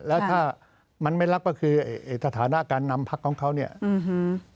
แล้วถ้ามันไม่รักก็คือไอ้สถานะการนำพักของเขาเนี่ยอื้อฮือ